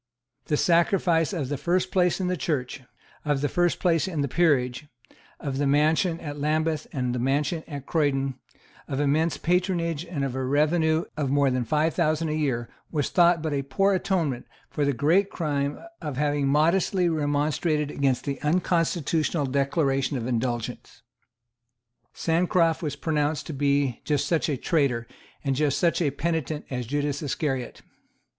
The sacrifice of the first place in the Church, of the first place in the peerage, of the mansion at Lambeth and the mansion at Croydon, of immense patronage and of a revenue of more than five thousand a year was thought but a poor atonement for the great crime of having modestly remonstrated against the unconstitutional Declaration of Indulgence. Sancroft was pronounced to be just such a traitor and just such a penitent as Judas Iscariot.